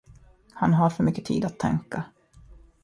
Han har för mycket tid att tänka.